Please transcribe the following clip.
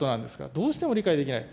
どうしても理解できない。